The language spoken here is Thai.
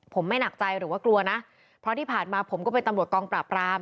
ผมไม่หนักใจหรือว่ากลัวนะเพราะที่ผ่านมาผมก็เป็นตำรวจกองปราบราม